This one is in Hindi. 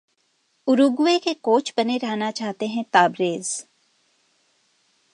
उरूग्वे के कोच बने रहना चाहते हैं ताबरेज